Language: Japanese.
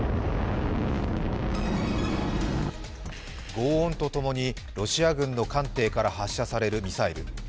ごう音とともにロシア軍の艦艇から発射されるミサイル。